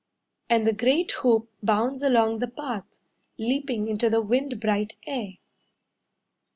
And the great hoop bounds along the path, Leaping into the wind bright air.